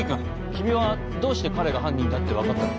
君はどうして彼が犯人だって分かったの？